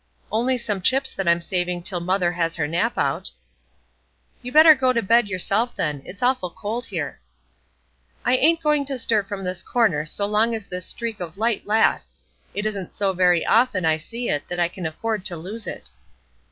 "Only some chips that I'm saving till mother has her nap out." "You better go to bed yourself, then; it's awful cold here." "I ain't going to stir from this corner so long as this streak of light lasts. It isn't so very often I see it that I can afford to lose it."